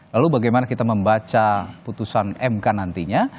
lalu bagaimana kita membaca putusan mk nantinya